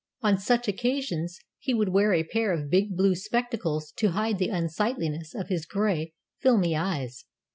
On such occasions he would wear a pair of big blue spectacles to hide the unsightliness of his gray, filmy eyes.